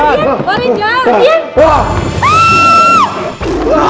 mardian kamu kenapa